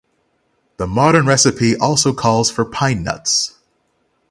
The modern recipe also calls for pine nuts.